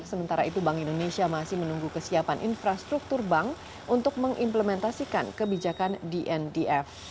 sementara itu bank indonesia masih menunggu kesiapan infrastruktur bank untuk mengimplementasikan kebijakan dndf